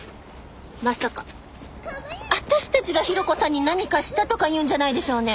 まさか私たちが広子さんに何かしたとか言うんじゃないでしょうね？